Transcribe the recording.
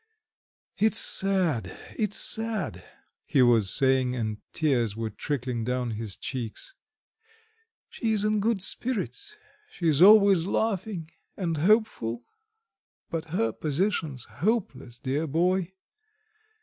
"It's sad, it's sad," he was saying, and tears were trickling down his cheeks. "She is in good spirits, she's always laughing and hopeful, but her position's hopeless, dear boy.